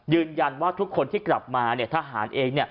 ยืนยันว่าทุกคนที่กลับมาทหารเอง